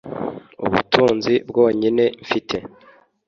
ubutunzi bwonyine mfite